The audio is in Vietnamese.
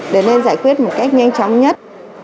để nên giải quyết một cách nhanh chóng nhất